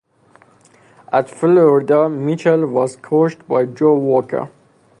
At Florida, Mitchell was coached by Joe Walker.